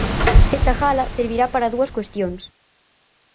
Esta gala servirá para dúas cuestións.